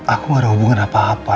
aku gak ada hubungan apa apa